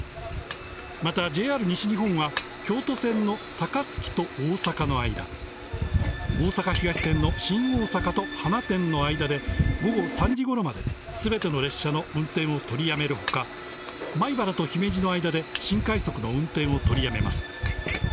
またＪＲ西日本は、京都線の高槻と大阪の間、おおさか東線の新大阪と放出の間で午後３時頃まですべての列車の運転を取り止めるほか、米原と姫路の間で新快速の運転を取りやめます。